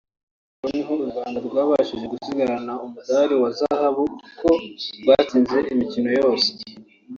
Basketabll niho u Rwanda rwabashije gusigarana umudali wa zahabu kuko rwatsinze imikino yose